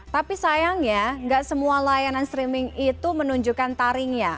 tapi sayangnya nggak semua layanan streaming itu menunjukkan taringnya